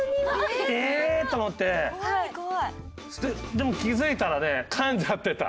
でも気付いたらね噛んじゃってた。